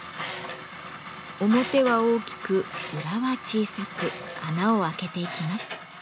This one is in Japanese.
表は大きく裏は小さく穴を開けていきます。